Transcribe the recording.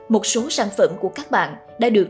một số sản phẩm của các bạn đã được